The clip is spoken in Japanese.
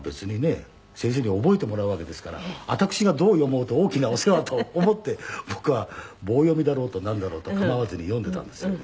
先生に覚えてもらうわけですから私がどう読もうと大きなお世話と思って僕は棒読みだろうとなんだろうと構わずに読んでたんですよね。